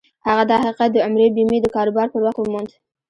هغه دا حقيقت د عمري بيمې د کاروبار پر وخت وموند.